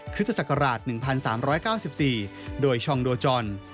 คศ๑๓๙๔โดยชองโดยล